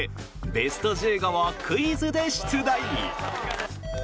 ベスト１５をクイズで出題。